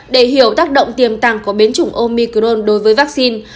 để hiểu tác động tiềm tàng của biến chủng omicrone đối với vaccine